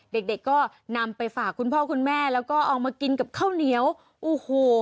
เด็กเด็กก็นำไปฝากคุณพ่อคุณแม่แล้วก็เอามากินกับข้าวเหนียวโอ้โห